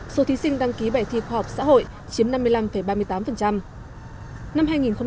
số thí sinh đăng ký bài thi khoa học xã hội chiếm năm mươi năm ba mươi tám